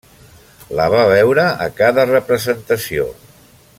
La va a veure a cada representació.